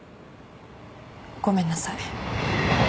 ごめんなさい。